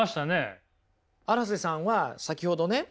荒瀬さんは先ほどね